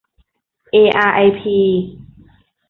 เออาร์ไอพี